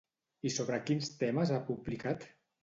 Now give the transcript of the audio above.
I sobre quins temes ha publicat?